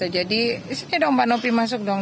jadi isinya dong mbak nopi masuk dong